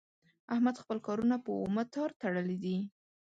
احمد خپل کارونه په اومه تار تړلي دي.